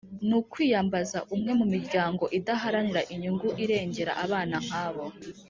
ni ukwiyambaza umwe mu miryango idaharanira inyungu irengera abana nkabo.